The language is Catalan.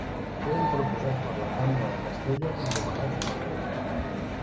Eren proposats per la Cambra de Castella i nomenats pel rei.